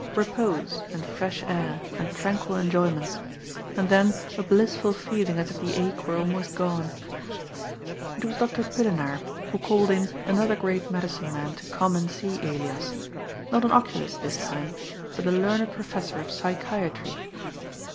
Bepose, and fresh air, and tranquil enjoyments — and then a blissful feeling as if the ache were almost gone. It was Doctor Pillenaar who called in another great medicine man to come and see Elias, not an oculist, this time, but a learned professor of " psychiatry."